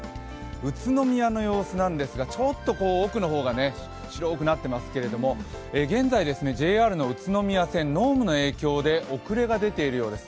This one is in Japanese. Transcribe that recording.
宇都宮の様子なんですがちょっと奥の方が白くなっていますけれども現在ＪＲの宇都宮線、濃霧の影響で遅れが出ているようです。